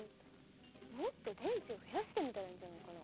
もっと電池を増やしてみたらいいんじゃないかな？